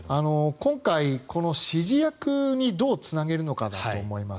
今回、この指示役にどうつなげるのかだと思います。